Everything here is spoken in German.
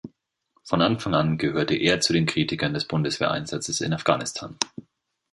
Von Anfang an gehörte er zu den Kritikern des Bundeswehr-Einsatzes in Afghanistan.